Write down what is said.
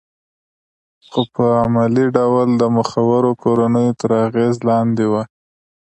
خو په عملي ډول د مخورو کورنیو تر اغېز لاندې وه